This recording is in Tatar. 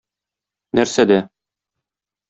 Нәрсәдә?